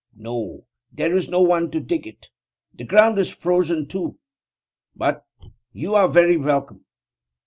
No; there is no one to dig it. The ground is frozen, too. But you are very welcome.